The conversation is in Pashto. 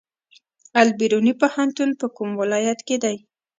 البیروني پوهنتون په کوم ولایت کې دی؟